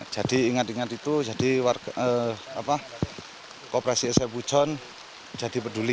jadi ingat ingat itu jadi koperasi sae pujon jadi peduli